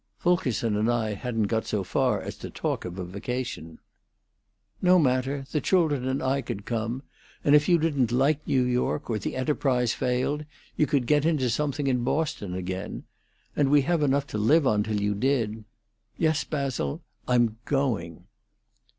"Fulkerson and I hadn't got as far as to talk of a vacation." "No matter. The children and I could come. And if you didn't like New York, or the enterprise failed, you could get into something in Boston again; and we have enough to live on till you did. Yes, Basil, I'm going."